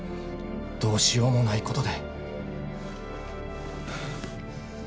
どうしようもないことで。